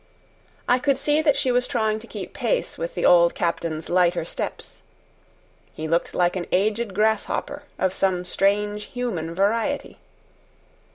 I could see that she was trying to keep pace with the old captain's lighter steps. He looked like an aged grasshopper of some strange human variety.